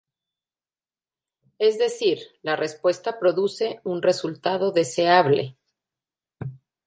Es decir, la respuesta produce un resultado deseable.